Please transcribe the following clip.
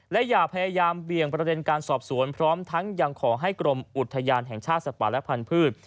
และอย่าพยายามเบี่ยงประเด็นการสอบสวนพร้อมทั้งยังขอให้กรมอุทยานแห่งชาติสัตว์ป่าและพันธุ์